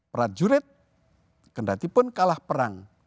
prajurit kena hati pun kalah perang